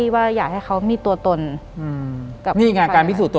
หลังจากนั้นเราไม่ได้คุยกันนะคะเดินเข้าบ้านอืม